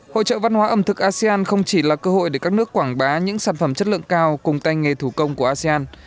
hội trợ văn hóa ẩm thực asean không chỉ là cơ hội để các nước quảng bá những sản phẩm chất lượng cao cùng tay nghề thủ công của asean